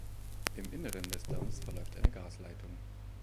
Im Inneren des Damms verläuft eine Gasleitung.